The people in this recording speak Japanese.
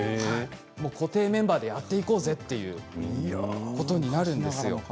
もう固定メンバーでやっていこうぜっていうことになるんですよ。